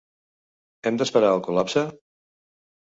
Hem d’esperar al col·lapse?